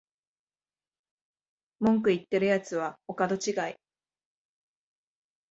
文句言ってるやつはお門違い